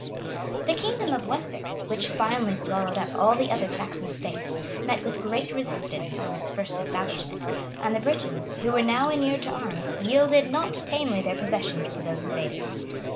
The kingdom of Wessex, which finally swallowed up all the other Saxon states, met with great resistance on its first establishment; and the Britons, who were now inured to arms, yielded not tamely their possessions to those invaders.